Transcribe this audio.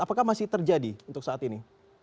apakah masih terjadi untuk saat ini